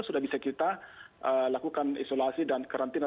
sudah bisa kita lakukan isolasi dan karantina